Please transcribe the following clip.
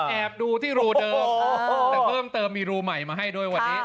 แอบดูที่รูเดิมแต่เพิ่มเติมมีรูใหม่มาให้ด้วยวันนี้